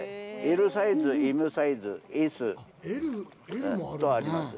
Ｌサイズ、Ｍサイズ、Ｓとあります。